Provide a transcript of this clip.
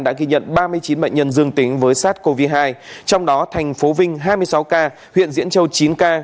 đã ghi nhận ba mươi chín bệnh nhân dương tính với sars cov hai trong đó thành phố vinh hai mươi sáu ca huyện diễn châu chín ca